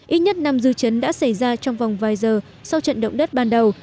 ít nhất năm dư chấn đã xảy ra trong vòng vài giờ sau trận động đất ban đầu